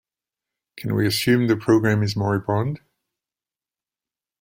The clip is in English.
Can we assume that the program is moribund?